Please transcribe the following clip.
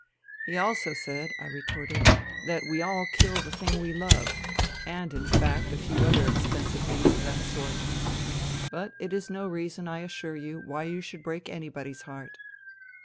"He also said," I retorted, "that 'We all kill the thing we love,' and, in fact, a few other expensive things of that sort. But it is no reason, I assure you, why you should break anybody's heart."